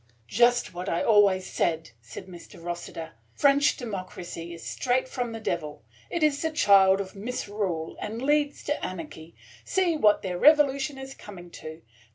"Just what I always said!" said Mr. Rossiter. "French democracy is straight from the Devil. It 's the child of misrule, and leads to anarchy. See what their revolution is coming to.